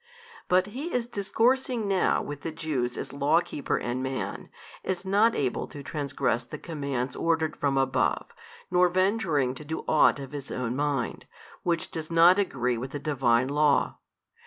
But He is discoursing now with the Jews as Law keeper and Man, as not able to transgress the commands ordered from above, nor venturing to do ought of His Own Mind, which does not agree with the Divine Law.